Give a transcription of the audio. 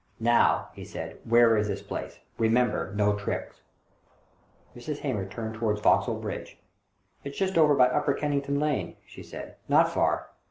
"Now," he said, " where is this place? Eemember, no tricks !" Mrs. Hamer turned towards Vauxhall Bridge. "It's just over by Upper Kennington Lane," she said. "Not far."